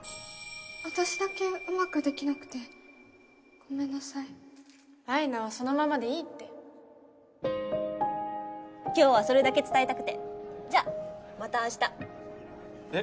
私だけうまくできなくてごめんなさい舞菜はそのままでいいって今日はそれだけ伝えたくてじゃあまた明日えっ？